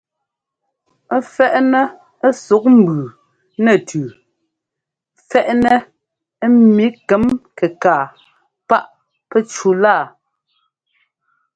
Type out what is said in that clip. Ɛ fɛ́ꞌnɛ ɛ́suk mbʉʉ nɛtʉʉ fɛ́ꞌnɛ ḿmi kɛm-kɛkaa páꞌ pɛ́ꞌ cúlaa.